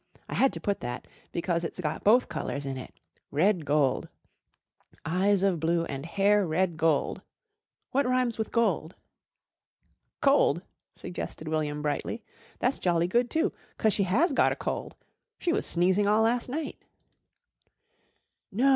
I had to put that because it's got both colours in it. Red gold, 'Eyes of blue and hair red gold.' What rhymes with gold?" "Cold," suggested William brightly. "That's jolly good, too, 'cause she has gotter cold. She was sneezing all last night." "No.